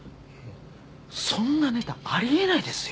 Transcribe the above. そんなネタありえないですよ。